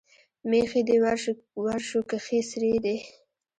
مېښې دې ورشو کښې څرېدې